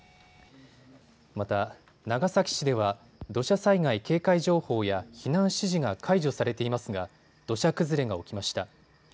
また、長崎市では土砂災害警戒情報や避難指示が解除されていますが土砂崩れが起きました。